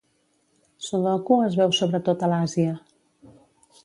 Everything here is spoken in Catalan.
Sodoku es veu sobretot a l'Àsia.